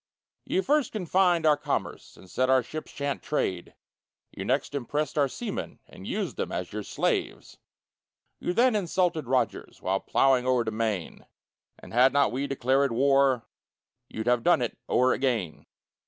You first confined our commerce, And said our ships shan't trade, You next impressed our seamen, And used them as your slaves; You then insulted Rogers, While ploughing o'er the main, And had not we declarèd war, You'd have done it o'er again.